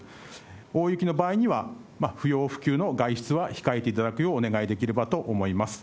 大雪の場合には、不要不急の外出は控えていただくようお願いできればと思います。